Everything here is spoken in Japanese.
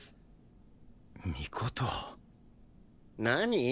何？